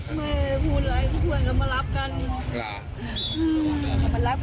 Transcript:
ไม่พูดอะไรทุกคนก็มารับจ้ะ